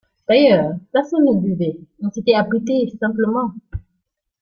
D’ailleurs, personne ne buvait, on s’était abrité, simplement.